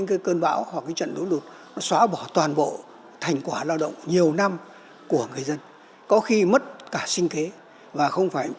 nó xóa bỏ toàn bộ thành quả lao động nhiều năm của người dân có khi mất cả sinh kế và không phải